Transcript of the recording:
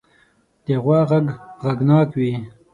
د غوا غږ غږناک وي.